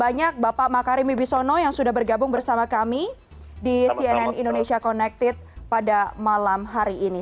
banyak bapak makarim wibisono yang sudah bergabung bersama kami di cnn indonesia connected pada malam hari ini